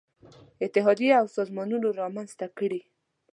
اتحادیې او سازمانونه رامنځته کړي.